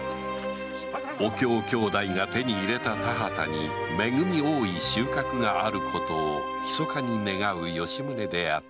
お杏姉弟が手に入れた田畑に恵み多い収穫があることを秘かに願う吉宗であった